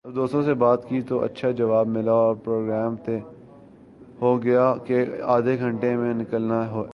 جب دوستوں سے بات کی تو اچھا جواب ملا اور پروگرام طے ہو گیا کہ آدھےگھنٹے میں نکلنا ہے ۔